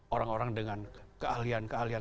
orang orang dengan keahlian keahlian